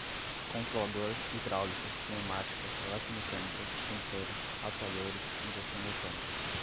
Controlador, hidráulica, pneumática, eletromecânicas, sensores, atuadores, injeção eletrônica